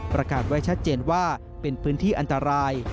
ประกาศไว้ชัดเจนว่าเป็นพื้นที่อันตราย